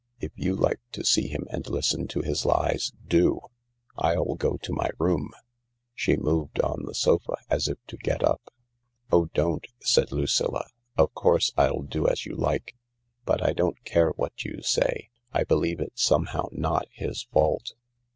If you like to see him and listen to his lies, do. I'll go to my room." She moved on the sofa as if to get up. " Oh, don't !" said Lucilla. " Of course I'll do as you like. But I don't care what you say— I believe it's somehow not his fault."